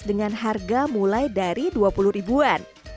dengan harga mulai dari dua puluh ribuan